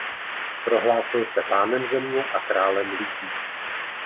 Prohlásil se Pánem země a králem lidí.